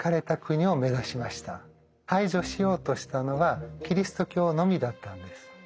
排除しようとしたのはキリスト教のみだったのです。